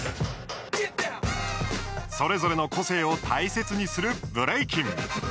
それぞれの個性を大切にするブレイキン。